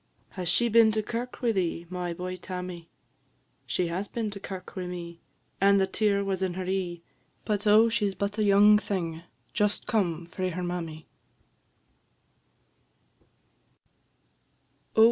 "Has she been to kirk wi' thee, My boy, Tammy?" "She has been to kirk wi' me, And the tear was in her e'e; But, oh! she 's but a young thing, Just come frae her mammy."